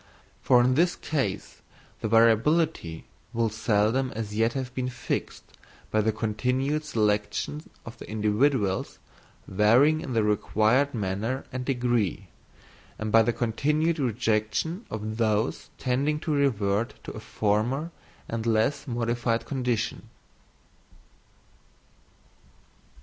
For in this case the variability will seldom as yet have been fixed by the continued selection of the individuals varying in the required manner and degree, and by the continued rejection of those tending to revert to a former and less modified condition.